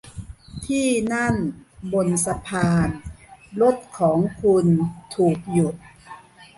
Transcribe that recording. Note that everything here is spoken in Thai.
ที่นั่น บนสะพาน รถของคุณถูกหยุด